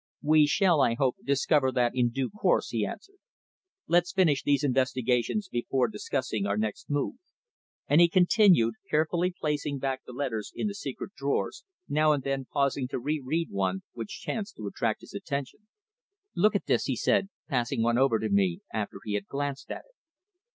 "We shall, I hope, discover that in due course," he answered. "Let's finish these investigations before discussing our next move," and he continued, carefully placing back the letters in the secret drawers, now and then pausing to re read one which chanced to attract his attention. "Look at this," he said, passing one over to me after he had glanced at it.